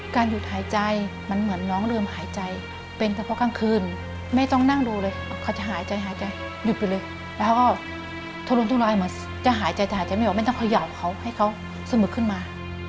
หยุดหายใจมันเหมือนน้องเริ่มหายใจเป็นเฉพาะกลางคืนไม่ต้องนั่งดูเลยเขาจะหายใจหายใจหยุดไปเลยแล้วเขาก็ทะลุนทุรายเหมือนจะหายใจจะหายใจไม่ออกไม่ต้องเขย่าเขาให้เขาเสมอึกขึ้นมา